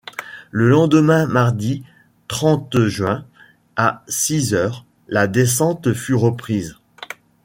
Le lendemain mardi, trente juin, à six heures, la descente fut reprise.